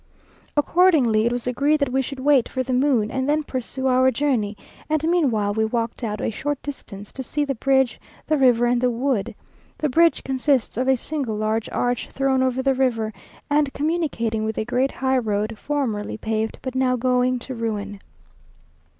Accordingly it was agreed that we should wait for the moon, and then pursue our journey; and meanwhile we walked out to a short distance, to see the bridge, the river, and the wood. The bridge consists of a single large arch thrown over the river, and communicating with a great high road, formerly paved, but now going to ruin.